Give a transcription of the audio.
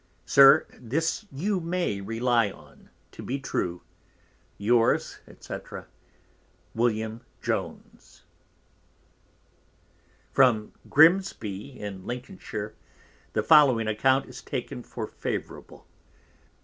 Sir, this you may rely on to be true, Yours, &c. William Jones From Grimsby in Lincolnshire, the following Account is taken for favourable.